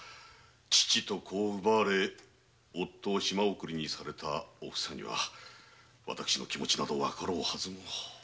父と子を奪われ夫を島送りにされたお房にはわたしの気持ちなどわかろうはずも。